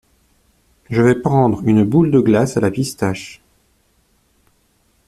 Je vais prendre une boule de glace à la pistache.